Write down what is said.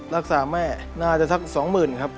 รักษาแม่น่าจะสักสองหมื่นครับ